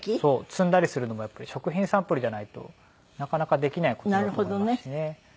積んだりするのもやっぱり食品サンプルじゃないとなかなかできない事だと思いますしね。